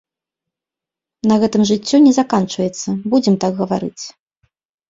На гэтым жыццё не заканчваецца, будзем так гаварыць!